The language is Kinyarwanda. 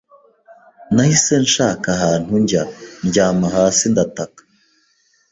nahise nshaka ahantu njya, ndyama hasi ndataka